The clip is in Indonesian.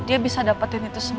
dia bisa dapetin itu semua